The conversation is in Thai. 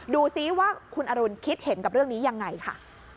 ดูซิว่าคุณอรุณคิดเห็นกับเรื่องนี้ยังไงค่ะ